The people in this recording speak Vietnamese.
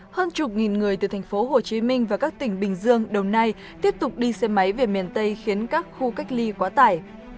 hơn chục nghìn người từ thành phố hồ chí minh và các tỉnh bình dương đầu nay tiếp tục đi xe máy về miền tây khiến các khu cách ly quá tải